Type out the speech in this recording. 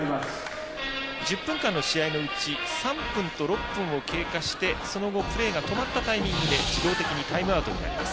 １０分間の試合のうち３分と６分を経過してその後、プレーが止まったタイミングで自動的にタイムアウトになります。